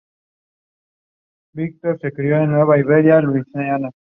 Jugaba de portero y militó en Colo-Colo.